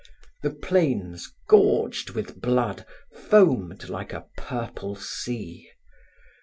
The plains, gorged with blood, foamed like a purple sea.